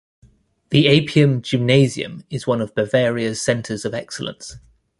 The Apian-Gymnasium is one of Bavaria's centres of excellence.